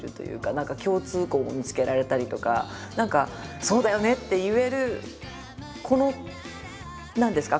何か共通項も見つけられたりとか何かそうだよねって言えるこの何ですか